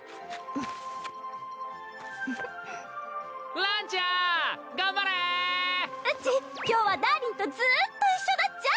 うち今日はダーリンとずっと一緒だっちゃ。